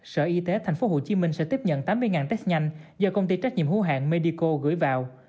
sở y tế thành phố hồ chí minh sẽ tiếp nhận tám mươi test nhanh do công ty trách nhiệm hữu hạng medico gửi vào